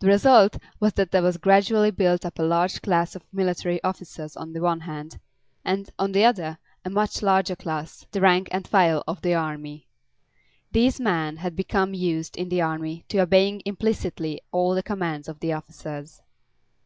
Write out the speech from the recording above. The result was that there was gradually built up a large class of military officers on the one hand, and, on the other, a much larger class, the rank and file of the army. These men had become used, in the army, to obeying implicitly all the commands of the officers.